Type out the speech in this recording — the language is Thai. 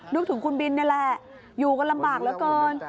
นึกถึงคุณบินเนี่ยแหละอยู่ก็ลำบากแล้วเกิน